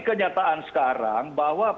pernyataan sekarang bahwa